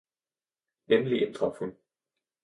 Endelig indtraf hun.